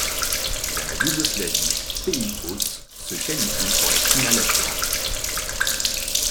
La Yougoslavie, pays hôte, se qualifie pour la finale à Turin.